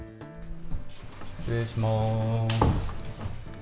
失礼します。